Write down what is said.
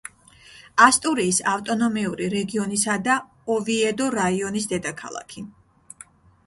ასტურიის ავტონომიური რეგიონისა და ოვიედო რაიონის დედაქალაქი.